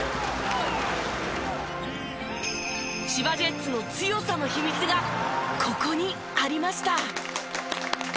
千葉ジェッツの強さの秘密がここにありました。